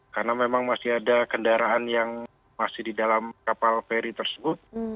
karena memang masih ada kendaraan yang masih di dalam kapal feri tersebut